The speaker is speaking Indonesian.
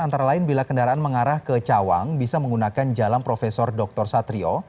antara lain bila kendaraan mengarah ke cawang bisa menggunakan jalan prof dr satrio